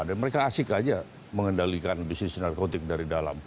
mereka asik aja mengendalikan bisnis narkotik dari dalam